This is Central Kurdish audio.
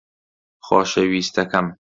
خۆشەویستەکەم